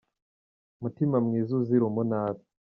Mutima mwiza uzira umunabi